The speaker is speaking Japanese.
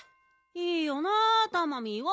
いいよなタマミーは。